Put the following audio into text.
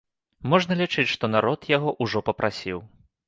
Можна лічыць, што народ яго ўжо папрасіў.